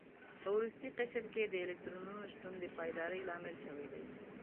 په وروستي قشر کې د اتو الکترونونو شتون د پایداري لامل شوی دی.